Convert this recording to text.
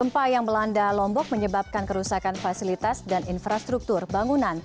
gempa yang melanda lombok menyebabkan kerusakan fasilitas dan infrastruktur bangunan